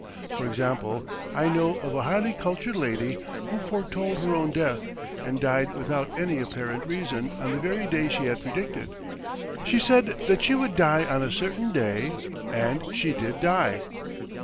For example, I know of a highly cultured lady who foretold her own death and died without any apparent reason on the very day she had predicted. She said that she would die on a certain day, and she did die."